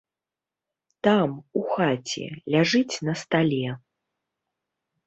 Там, у хаце, ляжыць на стале.